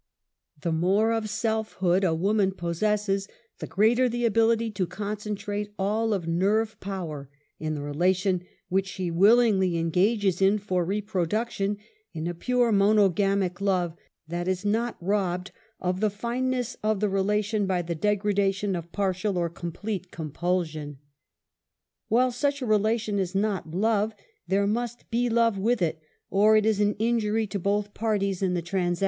The more of selfhood a woman possesses, the greater the ability to concentrate all of nerve power in the relation which she willingly engages in for reproduction in a pure monogamic love that is not robbed of the fineness of the relation by the degredation of partial or complete compulsion. While such a relation is not love^ there must be love with it, or it is an injury to both parties in the trans EQUALITY.